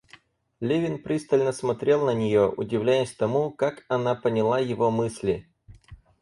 Левин пристально смотрел на нее, удивляясь тому, как она поняла его мысли.